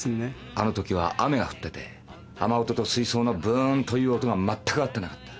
あのときは雨が降ってて雨音と水槽のブーンという音がまったく合ってなかった。